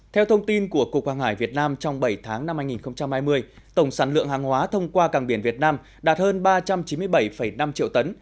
theo thông tin của cục hàng hải việt nam trong bảy tháng năm hai nghìn hai mươi tổng sản lượng hàng hóa thông qua cảng biển việt nam đạt hơn ba trăm chín mươi bảy năm triệu tấn